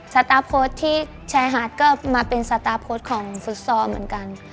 สตาร์ฟโค้ดที่ชายหาดก็มาเป็นสตาร์โค้ดของฟุตซอลเหมือนกัน